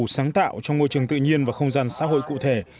sáng tạo trong môi trường tự nhiên và không gian xã hội cụ thể